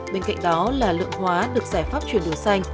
bên cạnh đó là lượng hóa được giải pháp chuyển đổi xanh